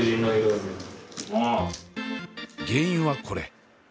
原因はこれ。